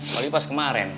walaupun pas kemarin